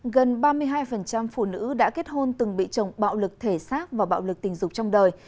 gần ba mươi hai phụ nữ đã kết hôn từng bị chồng bạo lực thể xác và bạo lực tình dục trong đời